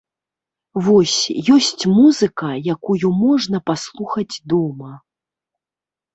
Вось, ёсць музыка, якую можна паслухаць дома.